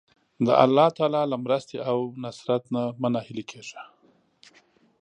د الله تعالی له مرستې او نصرت نه مه ناهیلی کېږه.